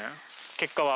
結果は？